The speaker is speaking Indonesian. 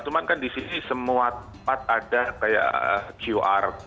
cuma kan di sisi semua tempat ada kayak qr